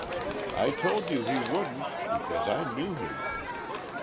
I told you he wouldn't, because I knew him.